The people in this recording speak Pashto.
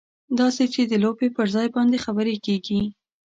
داسې چې د لوبې پر ځای باندې خبرې کېږي.